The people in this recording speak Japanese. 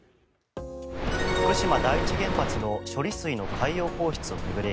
福島第一原発の処理水の海洋放出を巡り